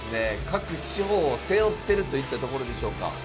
各地方を背負ってるといったところでしょうか。